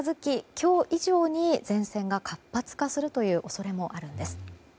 今日以上に前線が活発化するという恐れもあるんです。